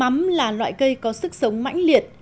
mắm là loại cây có sức sống mãnh liệt